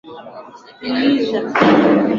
hasili haya ni kwa kweli yanahatari